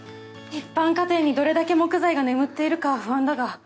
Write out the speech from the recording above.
一般家庭にどれだけ木材が眠っているかは不安だが。